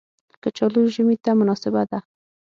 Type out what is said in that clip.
کچالو ژمي ته مناسبه ده